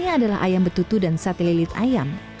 ini adalah ayam betutu dan sate lilit ayam